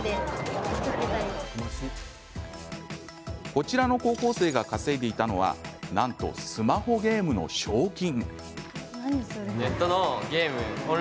こちらの高校生が稼いでいたのはなんと、スマホゲームの賞金。